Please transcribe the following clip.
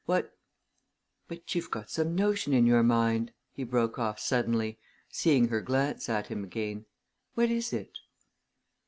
What but you've got some notion in your mind?" he broke off suddenly, seeing her glance at him again. "What is it?"